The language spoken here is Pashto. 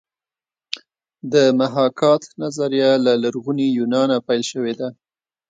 د محاکات نظریه له لرغوني یونانه پیل شوې ده